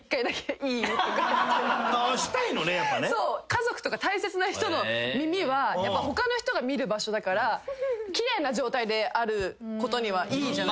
家族とか大切な人の耳はやっぱ他の人が見る場所だから奇麗な状態であることにはいいじゃないですか。